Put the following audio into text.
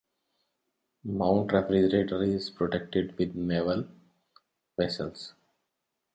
Mount Refrigerator is protected with naval vessels.